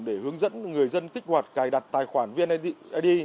để hướng dẫn người dân kích hoạt cài đặt tài khoản vned